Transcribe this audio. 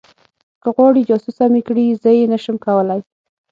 که غواړې جاسوسه مې کړي زه یې نشم کولی